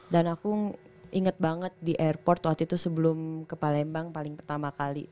dan aku inget banget di airport waktu itu sebelum ke palembang paling pertama kali